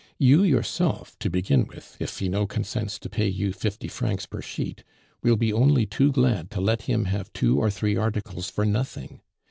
You yourself, to begin with, if Finot consents to pay you fifty francs per sheet, will be only too glad to let him have two or three articles for nothing.